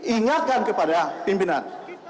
ingatkan kepada pimpinan